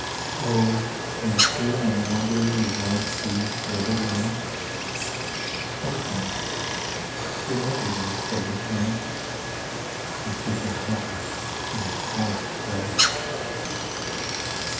... Oh when soon I'm wandering the wide seas for other lands, Sometimes remember me with folded hands, And keep me happy in your pious prayer.